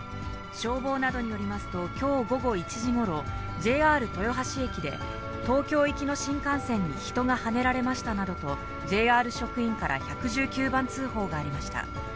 消防などによりますと、きょう午後１時ごろ、ＪＲ豊橋駅で、東京行きの新幹線に人がはねられましたなどと、ＪＲ職員から１１９番通報がありました。